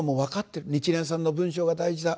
日蓮さんの文章が大事だ。